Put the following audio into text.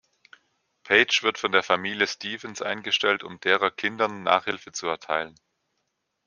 Paige wird von der Familie Stephens eingestellt, um derer Kindern Nachhilfe zu erteilen.